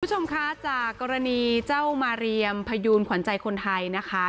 คุณผู้ชมคะจากกรณีเจ้ามาเรียมพยูนขวัญใจคนไทยนะคะ